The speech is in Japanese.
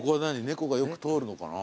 猫がよく通るのかな？